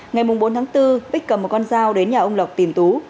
ngày bốn tháng bốn bích cầm một con dao đến nhà ông lộc tìm tú